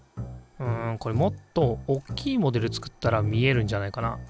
うんこれもっとおっきいモデル作ったら見えるんじゃないかな？